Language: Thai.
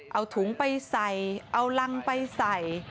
เอาถุงไปใส่เอารังไปใส่